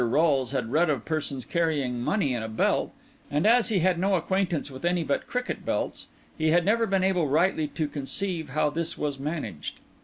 Rolles had read of persons carrying money in a belt; and as he had no acquaintance with any but cricket belts, he had never been able rightly to conceive how this was managed.